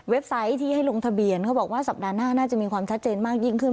ไซต์ที่ให้ลงทะเบียนเขาบอกว่าสัปดาห์หน้าน่าจะมีความชัดเจนมากยิ่งขึ้น